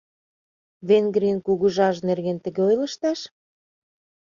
Венгрийын кугыжаж нерген тыге ойлышташ?